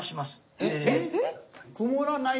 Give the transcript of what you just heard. えっ？